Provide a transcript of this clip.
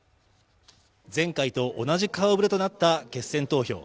前回と同じ顔ぶれとなった決選投票。